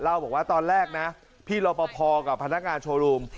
เล่าบอกว่าตอนแรกนะพี่รอปภกับพนักงานโชว์รูม